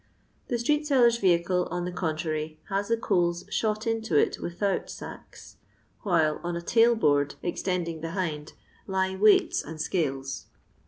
The itreet seller's vehicle, on the contrary, has the coals ihot into it without sacks ; while, on a tailboard, extending behind, lie weights and scales.